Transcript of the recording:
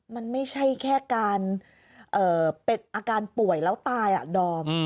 มันไม่ใช่แค่การเป็นอาการป่วยแล้วตายอ่ะดอม